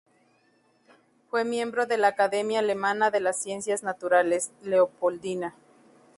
Fue miembro de la Academia alemana de las ciencias naturales Leopoldina.